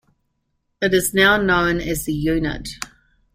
It is now known as the Unit.